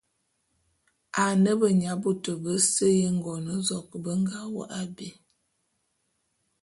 Ane benyabôtô bese y'Engôn-zok be nga wôk abé.